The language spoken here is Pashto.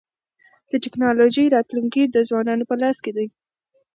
د ټکنالوژی راتلونکی د ځوانانو په لاس کي دی.